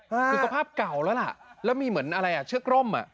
คือสภาพเก่าแล้วล่ะแล้วมีเหมือนอะไรอ่ะเชือกร่มอ่ะ